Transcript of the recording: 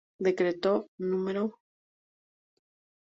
Decreto No.